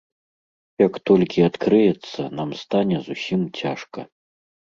Як толькі адкрыецца, нам стане зусім цяжка.